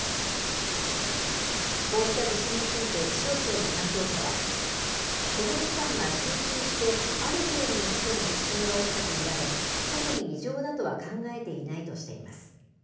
こうした地震について、気象庁の担当者は、この期間は集中してある程度の規模の地震が起きたと見られ、特に異常だとは考えていないとしています。